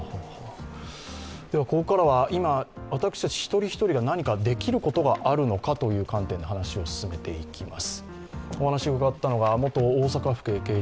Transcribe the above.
ここからは今、私たち一人一人が何かできることはあるのかという観点で見ていきます。